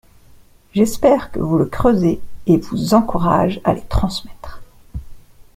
J'espère que vous le creusez et vous encourage à les transmettre.